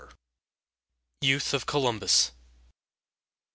YOUTH OF COLUMBUS.